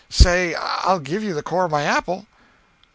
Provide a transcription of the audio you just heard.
Say—I'll give you the core of my apple."